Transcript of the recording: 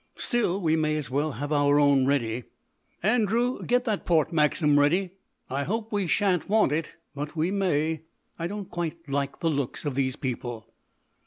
Still, we may as well have our own ready. Andrew, get that port Maxim ready. I hope we shan't want it, but we may. I don't quite like the look of these people."